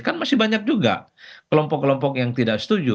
kan masih banyak juga kelompok kelompok yang tidak setuju